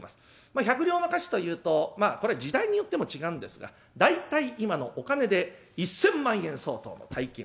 まあ１００両の価値というとまあこれ時代によっても違うんですが大体今のお金で１，０００万円相当の大金。